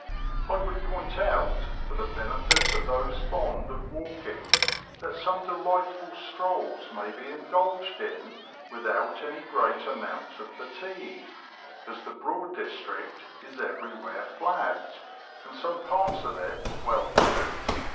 I would point out, for the benefit of those fond of walking, that some delightful strolls may be indulged in without any great amount of fatigue, as the Broad district is everywhere flat, and some parts of it well wooded.